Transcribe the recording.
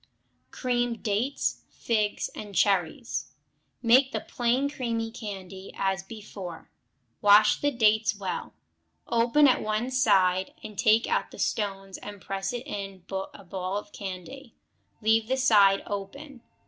Creamed Dates, Figs, and Cherries Make the plain cream candy, as before; wash the dates well, open at one side, and take out the stones and press in a ball of the candy; leave the side open.